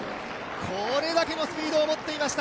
これだけのスピードを持っていました。